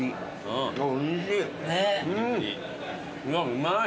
うまい。